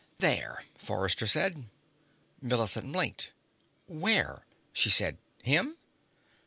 "There," Forrester said. Millicent blinked. "Where?" she said. "Him?"